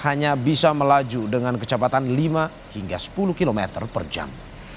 hanya bisa melaju dengan kecepatan lima hingga sepuluh km per jam